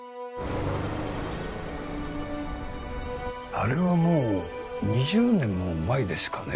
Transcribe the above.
あれはもう２０年も前ですかね